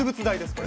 これ。